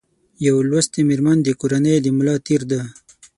یو لوستي مېرمن د کورنۍ د ملا تېر ده